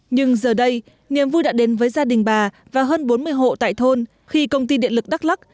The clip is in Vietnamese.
nhưng giờ đây niềm vui đã đến với gia đình bà và hơn bốn mươi hộ tại thôn khi công ty điện lực đắk lắc